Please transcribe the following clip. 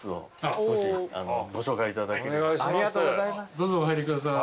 どうぞお入りください。